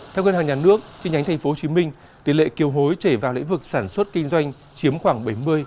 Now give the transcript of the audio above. theo ngân hàng nhà nước chi nhánh tp hcm tỷ lệ kiều hối trẻ vào lĩnh vực sản xuất kinh doanh chiếm khoảng bảy mươi bảy mươi hai